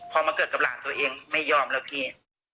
พอมาเกิดกับหลานตัวเองไม่ยอมแล้วพี่